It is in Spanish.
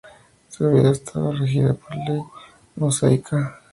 Su vida estaba regida por la ley mosaica.